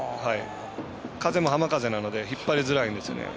風も浜風なので引っ張りづらいんです。